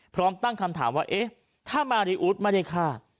พร้อมตั้งคำถามว่าเอ๊ะถ้ามาริอุ๊ดไม่ได้ฆ่า